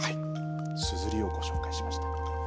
すずりをご紹介しました。